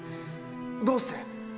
どうして？